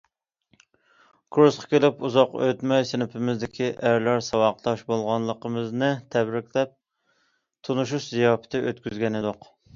كۇرسقا كېلىپ ئۇزاق ئۆتمەي، سىنىپىمىزدىكى ئەرلەر ساۋاقداش بولغانلىقىمىزنى تەبرىكلەپ تونۇشۇش زىياپىتى ئۆتكۈزگەنىدۇق.